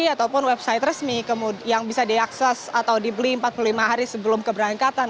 ataupun website resmi yang bisa diakses atau dibeli empat puluh lima hari sebelum keberangkatan